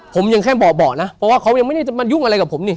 ผมยังแค่เบาะนะเพราะว่าเขายังไม่ได้มายุ่งอะไรกับผมนี่